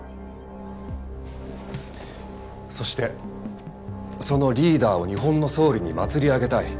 そしてそのリーダーを日本の総理に祭り上げたい。